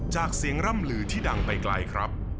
จากเสียงร่ำลือที่ดังไปไกลครับ